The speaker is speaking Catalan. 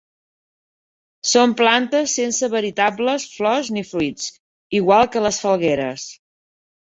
Són plantes sense veritables flors ni fruits, igual que les falgueres.